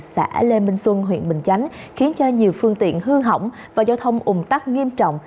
xã lê minh xuân huyện bình chánh khiến cho nhiều phương tiện hư hỏng và giao thông ủng tắc nghiêm trọng